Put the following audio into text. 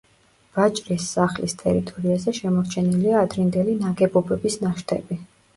ვაჭრის სახლის ტერიტორიაზე შემორჩენილია ადრინდელი ნაგებობების ნაშთები.